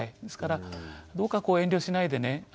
ですからどうか遠慮しないでね